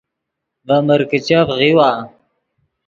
ڤے مرکیچف غیؤوا